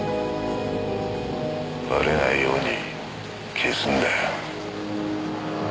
バレないように消すんだよ。